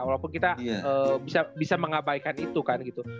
walaupun kita bisa mengabaikan itu kan gitu